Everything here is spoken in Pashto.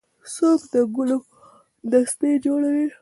څوک د ګلو دستې جوړوي.